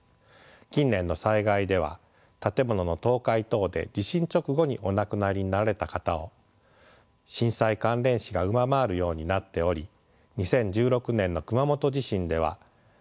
近年の災害では建物の倒壊等で地震直後にお亡くなりになられた方を震災関連死が上回るようになっており２０１６年の熊本地震では直接死５０人